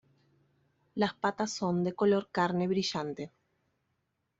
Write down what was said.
Las patas son de color carne brillante.